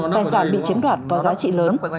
tài sản bị chiếm đoạt có giá trị lớn